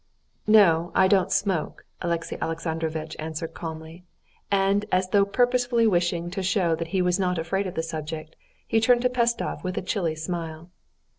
"No, I don't smoke," Alexey Alexandrovitch answered calmly, and as though purposely wishing to show that he was not afraid of the subject, he turned to Pestsov with a chilly smile.